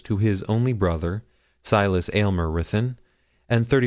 to his only brother, Silas Aylmer Ruthyn, and 3,500_l_.